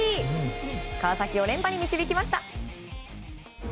川崎を連覇に導きました。